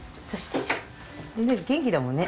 全然元気だもんね。